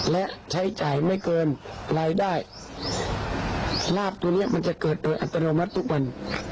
และใช้จ่ายไม่เกินรายได้ลาบตัวเนี้ยมันจะเกิดโดยอัตโนมัติทุกวัน